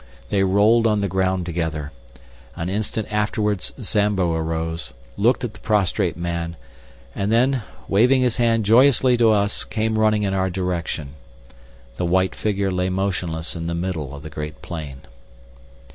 They rolled on the ground together. An instant afterwards Zambo rose, looked at the prostrate man, and then, waving his hand joyously to us, came running in our direction. The white figure lay motionless in the middle of the great plain.